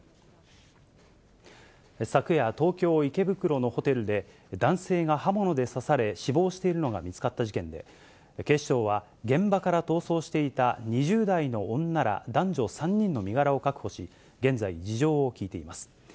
昨夜、東京・池袋のホテルで、男性が刃物で刺され、死亡しているのが見つかった事件で、警視庁は現場から逃走していた２０代の女ら男女３人の身柄を確保し、現在、事情を聴いています。